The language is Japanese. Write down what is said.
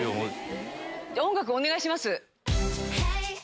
音楽お願いします。